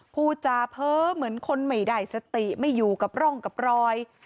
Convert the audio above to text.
พูดจาเพ้อเหมือนคนไม่ได้สติไม่อยู่กับร่องกับรอย